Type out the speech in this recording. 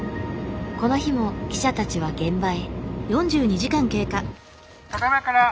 この日も記者たちは現場へ。